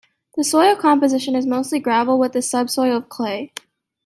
The soil composition, is mostly gravel with a subsoil of clay.